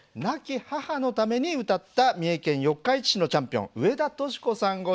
亡き母のために歌った三重県四日市市のチャンピオン上田淑子さん